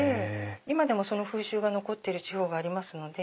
今でもその風習が残ってる地方がありますので。